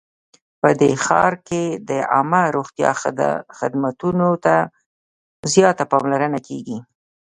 په دې ښار کې د عامه روغتیا خدمتونو ته زیاته پاملرنه کیږي